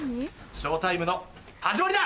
ショータイムの始まりだ！